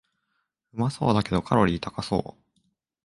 うまそうだけどカロリー高そう